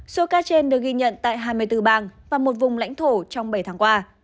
số ca trên được ghi nhận tại hai mươi bốn bang và một vùng lãnh thổ trong bảy tháng qua